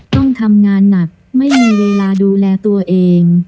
ต้องทำงานหนักไม่มีเวลาดูแลตัวเอง